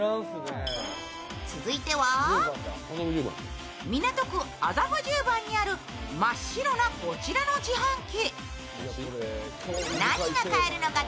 続いては港区麻布十番にある真っ白なこちらの自販機。